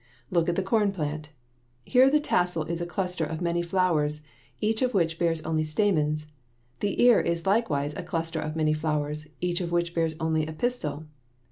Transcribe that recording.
Look at the corn plant. Here the tassel is a cluster of many flowers, each of which bears only stamens. The ear is likewise a cluster of many flowers, each of which bears only a pistil.